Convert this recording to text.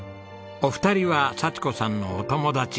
お二人は幸子さんのお友達。